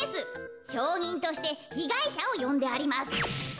しょうにんとしてひがいしゃをよんであります。